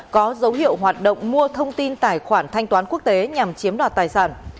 có dấu hiệu hoạt động mua thông tin tài khoản thanh toán quốc tế nhằm chiếm đoạt tài sản